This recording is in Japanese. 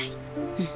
うん。